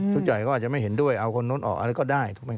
ผู้ใหญ่ก็อาจจะไม่เห็นด้วยเอาคนนู้นออกอะไรก็ได้ถูกไหมค